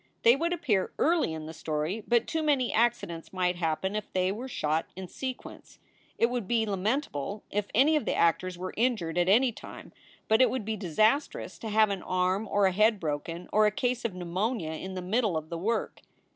They would appear early in the story, but too many accidents might happen if they were shot in sequence. It would be lamentable if any of the actors were injured at any time, but it would be disastrous to have an arm or a head broken or a case of pneumonia in the middle of the work.